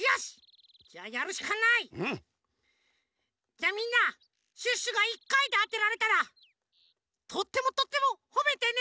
じゃみんなシュッシュが１かいであてられたらとってもとってもほめてね！